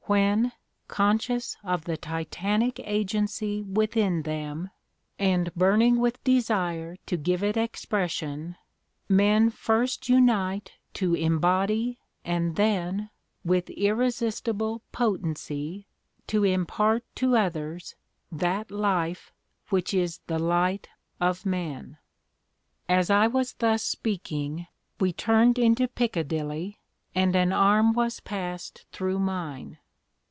when, conscious of the Titanic agency within them, and burning with desire to give it expression, men first unite to embody, and then with irresistible potency to impart to others that 'Life' which is 'the Light of men.'" As I was thus speaking, we turned into Piccadilly, and an arm was passed through mine.